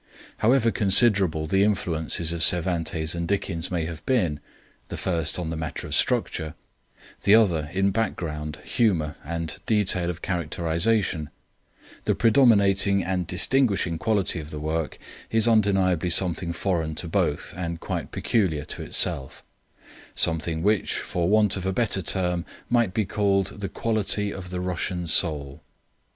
However considerable the influences of Cervantes and Dickens may have been the first in the matter of structure, the other in background, humour, and detail of characterisation the predominating and distinguishing quality of the work is undeniably something foreign to both and quite peculiar to itself; something which, for want of a better term, might be called the quality of the Russian soul.